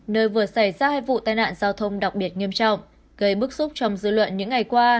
nơi vừa xảy ra hai vụ tai nạn giao thông đặc biệt nghiêm trọng gây bức xúc trong dư luận những ngày qua